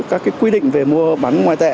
các quy định về mua bán ngoại tệ